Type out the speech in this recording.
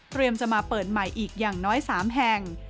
จะมาเปิดใหม่อีกอย่างน้อย๓แห่ง